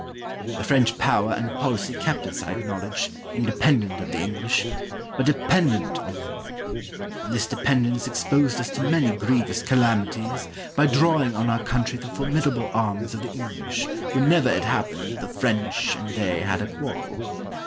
The French power and policy kept us, I acknowledge, independent of the English, but dependent on them; and this dependence exposed us to many grievous calamities by drawing on our country the formidable arms of the English whenever it happened that the French and they had a quarrel.